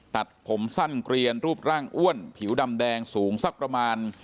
ตัดผมสั้นเกลียนรูปร่างอ้วนผิวดำแดงสูงสักประมาณ